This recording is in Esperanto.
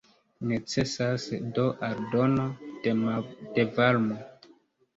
Necesas do aldono de varmo.